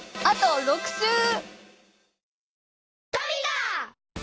あと６週！